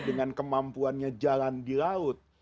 dengan kemampuannya jalan di laut